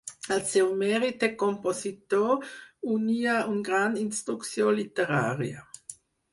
Al seu mèrit de compositor, unia una gran instrucció literària.